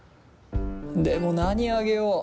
でも何あげよう。